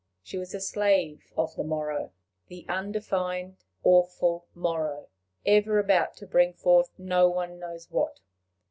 She was a slave of the morrow, the undefined, awful morrow, ever about to bring forth no one knows what.